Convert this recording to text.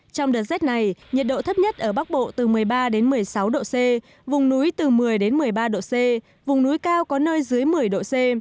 trong đợt rét này nhiệt độ thấp nhất ở bắc bộ từ một mươi ba một mươi sáu độ c vùng núi từ một mươi một mươi ba độ c vùng núi cao có nơi dưới một mươi độ c